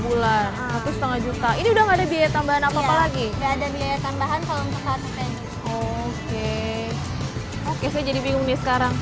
oke saya jadi bingung nih sekarang